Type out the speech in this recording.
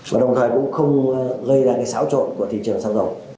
và đồng thời cũng không gây ra cái xáo trộn của thị trường xăng dầu